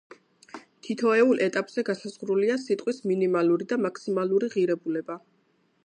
თითოეულ ეტაპზე განსაზღვრულია სიტყვის მინიმალური და მაქსიმალური ღირებულება.